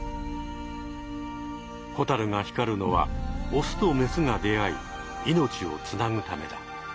ホタルが光るのはオスとメスが出会い命をつなぐためだ。